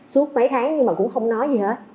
suốt mấy tháng nhưng mà cũng không nói gì hết